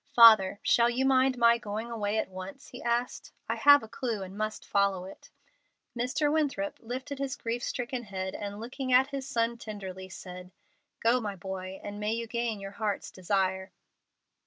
"Father, shall you mind my going away at once?" he asked. "I have a clue, and must follow it." Mr. Winthrop lifted his grief stricken head, and, looking at his son tenderly, said: "Go, my boy, and may you gain your heart's desire!"